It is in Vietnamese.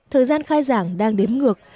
thời gian khai giảng đang đếm ngược